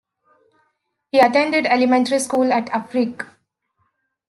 He attended elementary school in Avrig.